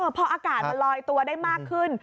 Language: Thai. พออากาศมันลอยตัวได้มากขึ้น